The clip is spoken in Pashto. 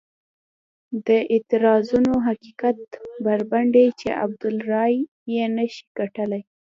دا اعتراضونه حقیقت بربنډوي چې عبدالله رایې نه شي ګټلای.